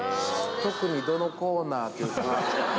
特にどのコーナーっていうか？